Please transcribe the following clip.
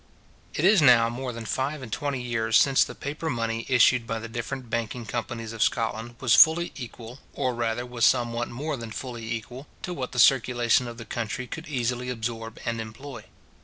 It is now more than five and twenty years since the paper money issued by the different banking companies of Scotland was fully equal, or rather was somewhat more than fully equal, to what the circulation of the country could easily absorb and employ.